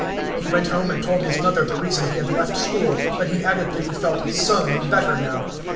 He went home and told his mother the reason he had left school, but he added that he felt "some" better now.